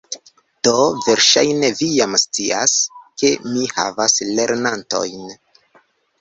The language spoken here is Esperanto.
Do, verŝajne vi jam scias, ke mi havas lernantojn